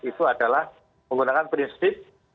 itu adalah menggunakan prinsip